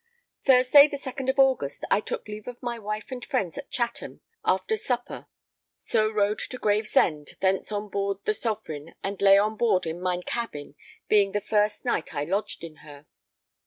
Thursday, 2nd of August, I took leave of my wife and friends at Chatham after supper; so rode to Gravesend, thence on board the Sovereign and lay on board in mine cabin, being the first night I lodged in her.